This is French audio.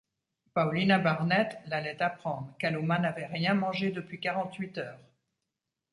Paulina Barnett l’allait apprendre, Kalumah n’avait rien mangé depuis quarante-huit heures.